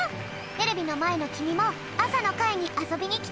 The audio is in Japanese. テレビのまえのきみもあさのかいにあそびにきてね！